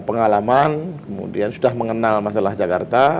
pengalaman kemudian sudah mengenal masalah jakarta